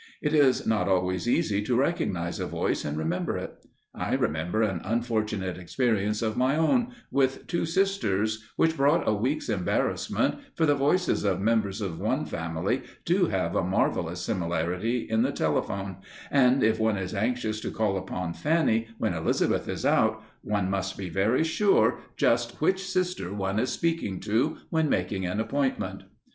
It is not always easy to recognize a voice and remember it. I remember an unfortunate experience of my own with two sisters which brought a week's embarrassment, for the voices of members of one family do have a marvellous similarity in the telephone, and if one is anxious to call upon Fanny when Elizabeth is out, one must be very sure just which sister one is speaking to when making an appointment.